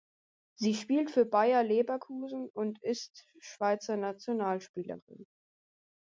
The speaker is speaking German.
Sie spielt für Bayer Leverkusen und ist Schweizer Nationalspielerin.